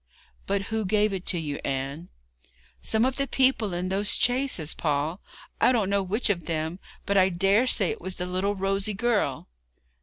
'But who gave it to you, Anne?' 'Some of the people in those chaises, Paul. I don't know which of them, but I dare say it was the little rosy girl.'